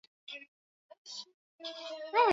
msego mimi ni mzaliwa wa mji huu